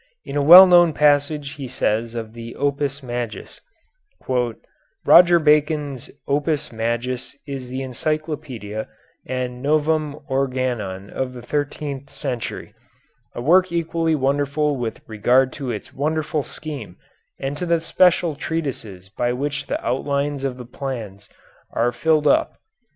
In a well known passage he says of the "Opus Majus": Roger Bacon's "Opus Majus" is the encyclopedia and "Novum Organon" of the thirteenth century, a work equally wonderful with regard to its wonderful scheme and to the special treatises by which the outlines of the plans are filled up.